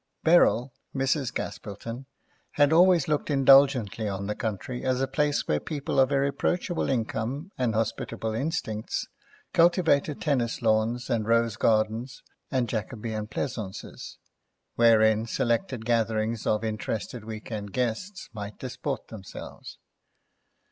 Beryl, Mrs. Gaspilton, had always looked indulgently on the country as a place where people of irreproachable income and hospitable instincts cultivated tennis lawns and rose gardens and Jacobean pleasaunces, wherein selected gatherings of interested week end guests might disport themselves.